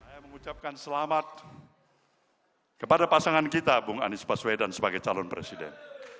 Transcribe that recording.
saya mengucapkan selamat kepada pasangan kita bung anies baswedan sebagai calon presiden